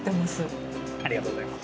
ありがとうございます。